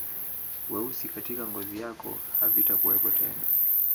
Weusi katika ngozi yako havitakuwepo tena